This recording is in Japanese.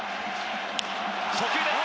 初球です。